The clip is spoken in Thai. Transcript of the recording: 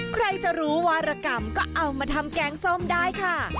ใครจะรู้วารกรรมก็เอามาทำแกงส้มได้ค่ะ